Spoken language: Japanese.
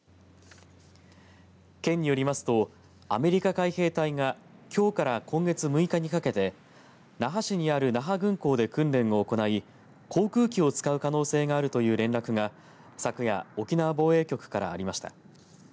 県によりますとアメリカ海兵隊がきょうから今月６日にかけて那覇市にある那覇軍港で訓練を行い航空機を使う可能性があるという連絡が昨夜沖縄防衛局からありました。